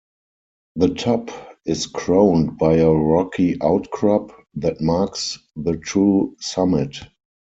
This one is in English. The top is crowned by a rocky outcrop that marks the true summit.